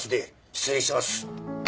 失礼します。